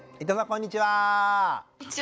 こんにちは。